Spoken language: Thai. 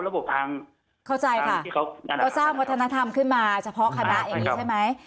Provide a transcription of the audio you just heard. ระบบทางที่เขานั่นค่ะเข้าใจค่ะก็สร้างวัฒนธรรมขึ้นมาเฉพาะขณะอันนี้ใช่ไหม